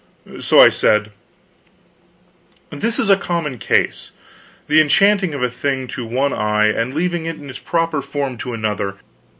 So I said: "This is a common case the enchanting of a thing to one eye and leaving it in its proper form to another.